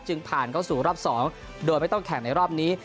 ผ่านเข้าสู่รอบ๒โดยไม่ต้องแข่งในรอบนี้